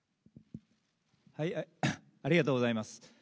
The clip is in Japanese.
ありがとうございます。